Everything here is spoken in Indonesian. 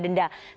terima kasih juga